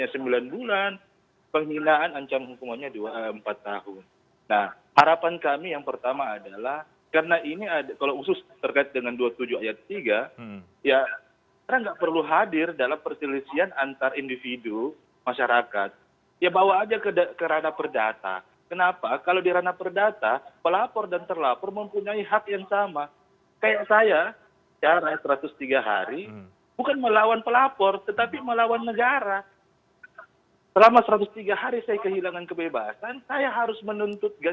sering kali kemudian pemerintah dan juga dpr didorong